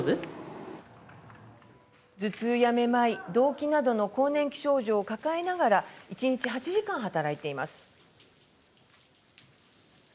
頭痛やめまい、どうきなどの更年期症状を抱えながら一日８時間働いています。